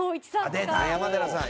出た山寺さん。